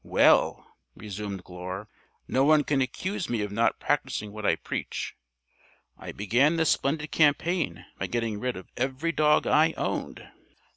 "Well," resumed Glure, "no one can accuse me of not practicing what I preach. I began this splendid campaign by getting rid of every dog I owned.